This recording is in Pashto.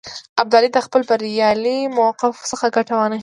ابدالي د خپل بریالي موقف څخه ګټه وانه خیستله.